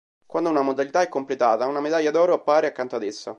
Quando una modalità è completata, una medaglia d'oro appare accanto ad essa.